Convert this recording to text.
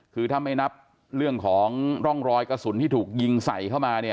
คือถ้าไม่นับเรื่องของร่องรอยกระสุนที่ถูกยิงใส่เข้ามาเนี่ย